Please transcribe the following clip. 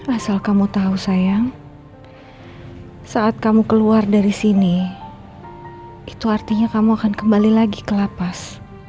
asal kamu tahu sayang saat kamu keluar dari sini itu artinya kamu akan kembali lagi ke lapas